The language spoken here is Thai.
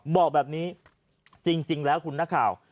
บอกแบบนี้จริงแล้วคุณนักข่าว